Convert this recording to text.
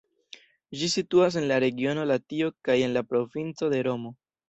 Ĝi situas en la regiono Latio kaj en la provinco de Romo.